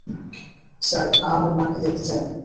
Sir, আমার মাকে দেখতে চাই আমি।